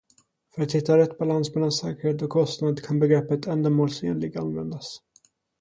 För att hitta rätt balans mellan säkerhet och kostnad kan begreppet ändamålsenlig användas.